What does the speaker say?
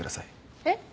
えっ？